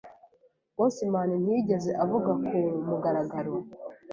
Boseman ntiyigeze avuga ku mugaragaro